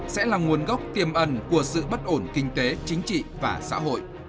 sẽ là nguồn gốc tiềm ẩn của sự bất ổn kinh tế chính trị và xã hội